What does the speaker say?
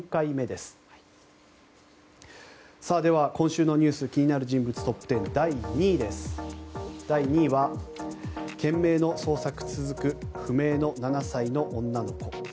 では、今週のニュース気になる人物トップ１０第２位は、懸命の捜索続く不明の７歳女の子。